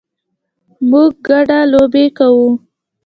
موږ ګډه لوبې کوو